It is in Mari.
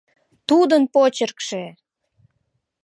Тудын почеркше!